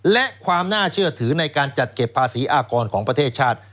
และความน่าเชื่อถือในการจัดเก็บภาษีอากรของประเทศชาติ